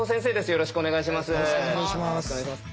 よろしくお願いします。